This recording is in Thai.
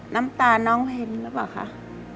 น้ำตาน้องเห็นหรือเปล่าคะ